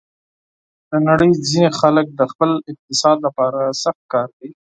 د نړۍ ځینې خلک د خپل اقتصاد لپاره سخت کار کوي.